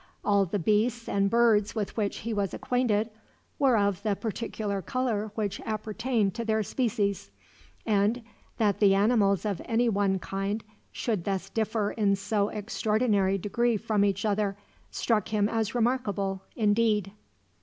All the beasts and birds with which he was acquainted were of the particular color which appertained to their species, and that the animals of any one kind should thus differ in so extraordinary degree from each other struck him as remarkable, indeed.